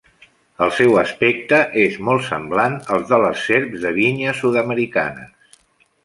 El seu aspecte és molt semblant al de les serps de vinya sud-americanes.